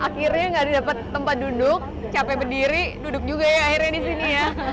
akhirnya gak dapet tempat duduk capek berdiri duduk juga ya akhirnya disini ya